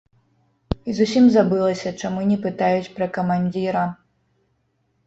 І зусім забылася, чаму не пытаюць пра камандзіра.